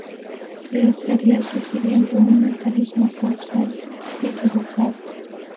Se estaría sugiriendo un mecanismo causal equivocado.